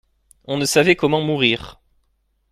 On ne savait comment mourir.